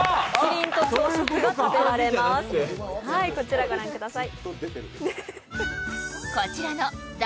こちら御覧ください。